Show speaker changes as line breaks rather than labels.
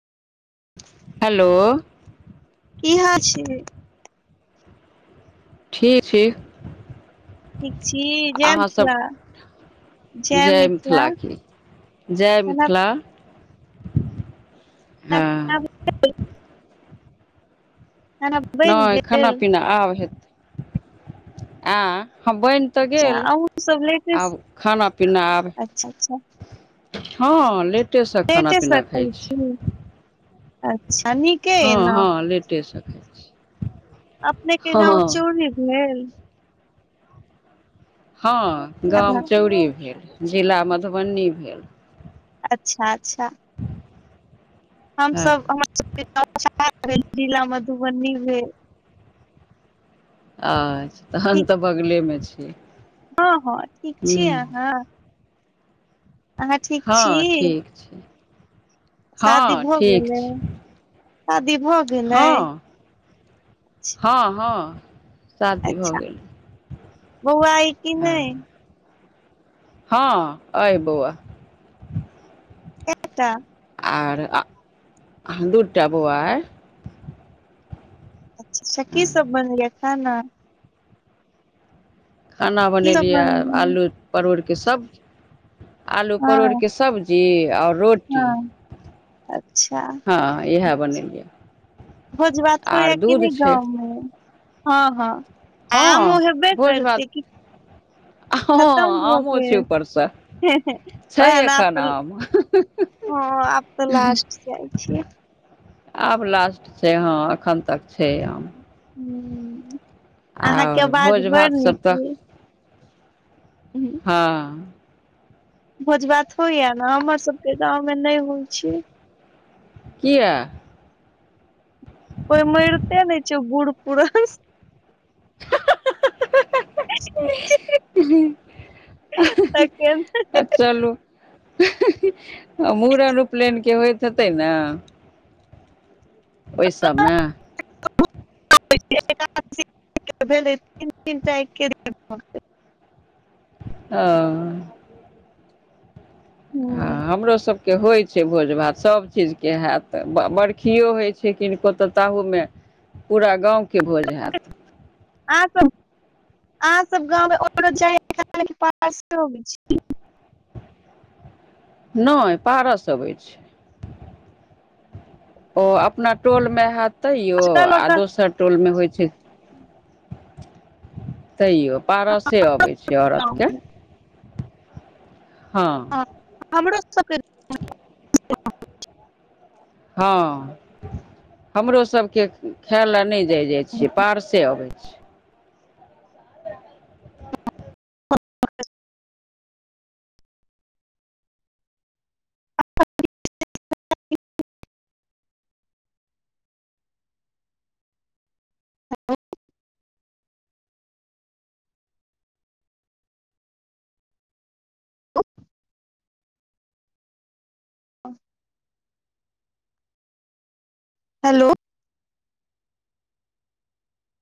Hello.
की हा छी?
ठीक छी।
ठीक छी, जय
अहाँ सब
मिथिला। जय मिथिला।
जय मिथिला हँ।
पीना बना गेल? खाना बनि
नऽ
गेल
खाना- पीना आब हेतै। आंय बनि तऽ
अच्छा
गेल,
अहूँ सब लेटेस्ट
आब- खाना पीना आब
अच्छा अच्छा
हँ ले
लेटे से खैय छी, अच्छा नीक।
हँ -हँ लेटेसे खाय छी।
अपने के
हँ
गाँंव चोउड़ी भेल?
हँ गाम
एम्हर-
चौउड़ी भेल, जिला मधुबनी भेल।
अच्छा -अच्छा।
हँ
हमसब हमर सबके गाम जिला मधुबनी भेल।
अच्छा तहन
ठीक
तऽ बगले मे छै।
हँ- हँ ठीक छी अहाँ? अहाँ ठीक
हँ
छी
ठीक छी,
शादी
हँ
भऽ
ठीक
गेलै
छी।
शादी भऽ गेलै
हँ- हँ- हँ शादी भऽ
अच्छा
गेल।
बौआ अइ की नै?
हँ अइ बौआ।
कैटा?
आर अ दू टा बौआ अइ।
की सब बनैलियै खाना?
खाना
की सब
बनेलियै ह
बनैया
आलू परोड़के सब्जी, आलू
हँ
परोड़के सब्जी। जी आओर रोटी,
हँ अच्छा
हँ इएह बनेलियै ह।
भोज भात हो या कि नहि
छै
गाँवमें? हँ -हँ।
हँ
आमओ हेबे
भोज भात
करतै की?
हँ आमो छै ऊपरसँ, छै
ओएह ने आब
एखन
तऽ
आम।
हँ आब तऽ लास्ट जाइ छै।
आब लास्ट छै, हँ एखन तक छै आम।
हूं, अहाँके
आओर
आवाज
भोज
बड़
भात सब
नीक
तऽ
अय। हूँ।
हँ।
भोज भात होइया ने? हमर सबके गाँव मे नहि होइ छै।
किया।
कोइ मरिते नै छै बुढ़ पूरान। तक
[unintelligible] आ चलू। मूड़न उपनयनके होइत हेतै ने? ओहि सबभमें।
[unintelligible]
अऽ। हँ
दिन
हमरो सभके होइ छै भोज- भात, सभ चीजके हैत बरखियो होइत छै। छै किनको तऽ ताहूमे पूरा गाँवके भोज हैत।
अ अह सब गव [unintelligible]
नहि पारसँ अबै छै। ओ अपना टोलमे हैत तैयो,
अगल
आ
बगल
दोसर टोलमे होइ छै
[unintelligible]
तैयो पारसे अबै छै, औरत
गाँव
के हँ
हमरो सबके रे
[inaudible] हँ हमरो सबके खाए लए नहि जाइ-जाइ छियै, पारसे अबै छै।
[unintelligible] [unintelligible] हलो